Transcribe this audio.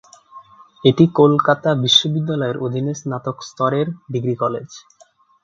এটি কলকাতা বিশ্ববিদ্যালয়ের অধীনে স্নাতক স্তরের ডিগ্রি কলেজ।